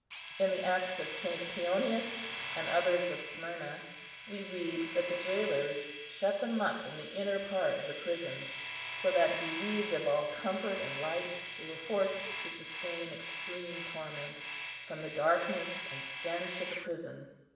In the Acts of St. Pionius, and others of Smyrna, we read that the jailers "shut them up in the inner part of the prison, so that, bereaved of all comfort and light, they were forced to sustain extreme torment, from the darkness and stench of the prison."